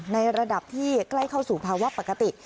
ในระดับที่ใกล้เข้าสู่ภาวะปกติ